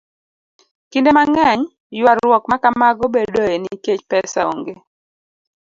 Kinde mang'eny, ywaruok ma kamago bedoe nikech pesa onge,